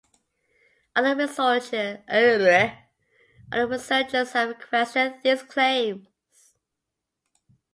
Other researchers have questioned these claims.